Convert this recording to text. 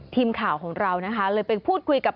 ทีมข่าวของเรานะคะเลยไปพูดคุยกับ